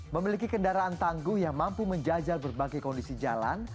memiliki kendaraan tangguh yang mampu menjajal berbagai kondisi jalan